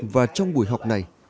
và trong buổi học này